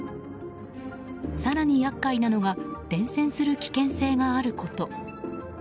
更に厄介なのが伝染する危険性があること。